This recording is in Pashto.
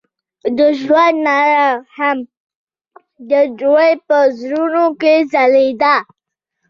د ژوند رڼا هم د دوی په زړونو کې ځلېده.